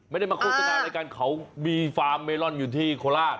ไม่ได้มาโฆษณารายการเขามีฟาร์มเมลอนอยู่ที่โคราช